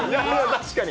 確かに。